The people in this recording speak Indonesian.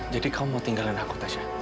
jadi kamu tinggalin aku